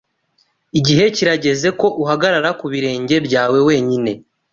Igihe kirageze ko uhagarara ku birenge byawe wenyine.